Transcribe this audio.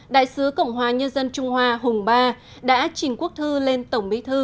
đại sứ cộng hòa nhân dân trung hoa hùng ba đã trình quốc thư lên tổng bí thư